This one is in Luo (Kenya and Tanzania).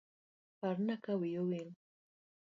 Parna kawiya owil.